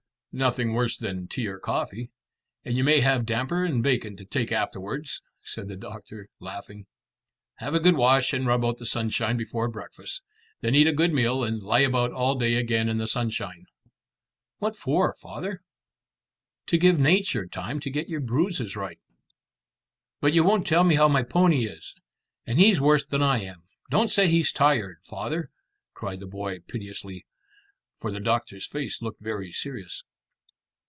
"Nothing worse than tea or coffee; and you may have damper and bacon to take afterwards," said the doctor, laughing. "Have a good wash and rub out in the sunshine before breakfast. Then eat a good meal and lie about all day again in the sunshine." "What for, father?" "To give nature time to get your bruises right." "But you won't tell me how my pony is and he's worse than I am. Don't say he's tired, father?" cried the boy piteously, for the doctor's face looked very serious.